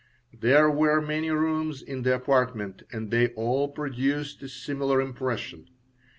There were many rooms in the apartment and they all produced a similar impression.